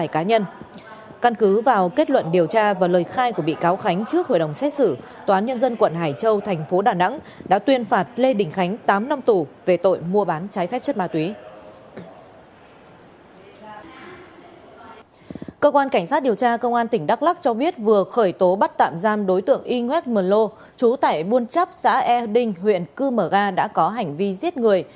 chú tải buôn chắp xã e đinh huyện cư mở ga đã có hành vi giết người